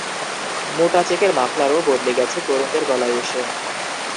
মোটা চেকের মাফলারও বদলে গেছে তরুণদের গলায় এসে।